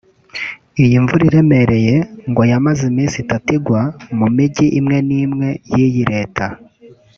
Iyi mvura iremereye ngo yamaze iminsi itatu igwa mu Mijyi imwe n’imwe y’iyi Leta